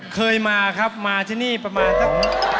เคยมาครับมาที่นี่ประมาณสัก